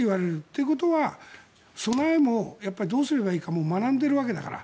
ということは備えもどうすればいいかを学んでいるわけだから。